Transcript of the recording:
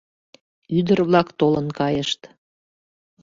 Ӱдыр-влак толын кайышт...